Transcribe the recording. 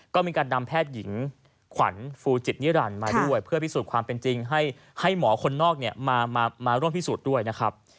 ก็มีการนำแพทย์หญิงขวัญฟูจิตนิรันดิ์มาด้วยเพื่อพิสูจน์ความเป็นจริงให้หมอคนนอกมาร่วมพิสูจน์ด้วยนะครับ